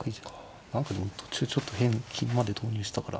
何かでも途中ちょっと変金まで投入したから。